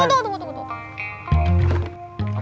eh tunggu tunggu tunggu